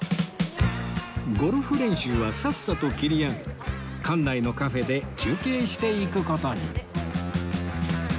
ゴルフ練習はさっさと切り上げ館内のカフェで休憩していく事に